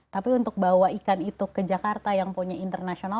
tapi untuk bawa ikan itu ke jakarta yang punya internasional